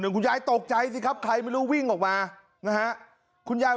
คุณยายตกใจสิครับใครไม่รู้วิ่งออกมานะฮะคุณยาย